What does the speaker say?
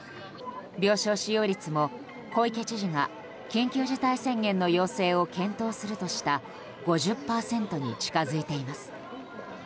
病床使用率も小池知事が緊急事態宣言の要請を検討するとした５０％に近づいています。